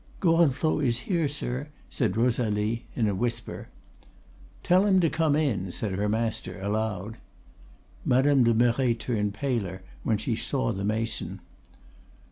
"'Gorenflot is here, sir,' said Rosalie in a whisper. "'Tell him to come in,' said her master aloud. "Madame de Merret turned paler when she saw the mason.